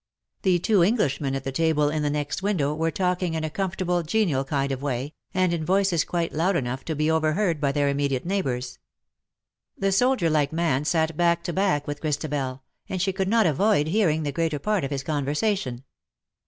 The two Englishmen at \.h.e table in the next window were talking in a comfortable, genial kind of way, and in voices quite loud enough to be over heard by their immediate neighbours. The soldier like man sat back to back with Christabel, and she could not avoid hearing the greater part of his conversation.